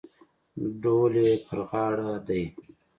ډول یې پر غاړه دی.